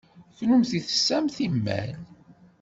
Kennemti tesɛamt imal.